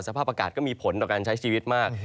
สภาพอากาศก็มีผลต่อการใช้ชีวิตมาก